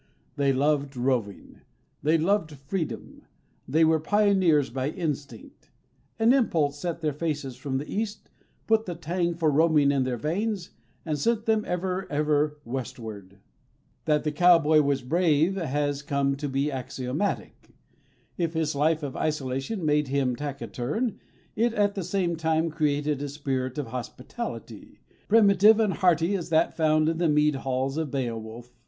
They loved roving; they loved freedom; they were pioneers by instinct; an impulse set their faces from the East, put the tang for roaming in their veins, and sent them ever, ever westward. That the cowboy was brave has come to be axiomatic. If his life of isolation made him taciturn, it at the same time created a spirit of hospitality, primitive and hearty as that found in the mead halls of Beowulf.